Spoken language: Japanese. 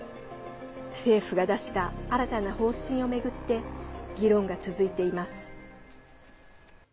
政府が出した新たな方針を巡って議論が続いています。